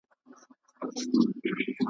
دې غونډي ته یوه جاهل .